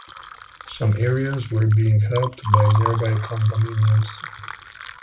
Some areas were being helped by nearby condominiums.